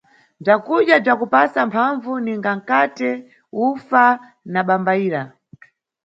Bzakudya bza kupasa mphambvu, ninga nkate, ufa na bambayira.